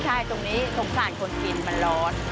ใช่ตรงนี้สงสารคนกินมันร้อน